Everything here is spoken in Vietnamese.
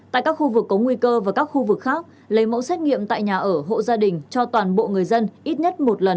tại các khu vực có nguy cơ và các khu vực khác lấy mẫu xét nghiệm tại nhà ở hộ gia đình cho toàn bộ người dân ít nhất một lần năm đến bảy ngày một lần